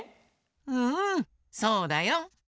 うんそうだよ。